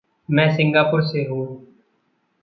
मैं सिंगापुर से हूँ।